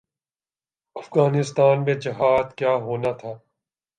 افغانستان میں جہاد کیا ہونا تھا۔